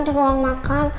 di ruang makan